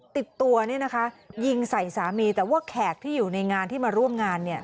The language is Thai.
ติดตัวเนี่ยนะคะยิงใส่สามีแต่ว่าแขกที่อยู่ในงานที่มาร่วมงานเนี่ย